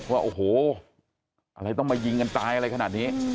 ว่าโอ้โหอะไรต้องมายิงกันตายอะไรขนาดนี้